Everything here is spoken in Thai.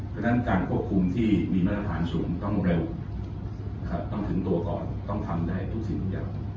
ฉะนั้นการควบคุมที่มีมาตรฐานสูงต้องเร็วต้องถึงตัวก่อนต้องทำได้ทุกสิ่งทุกอย่าง